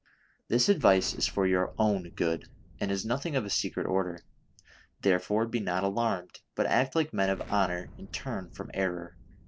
" This advice is for your own good, and is nothing of a secret order, therefore be not alarmed ; but act like men of honor, and turn from error.